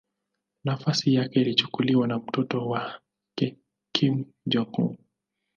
Nafasi yake ilichukuliwa na mtoto wake Kim Jong-un.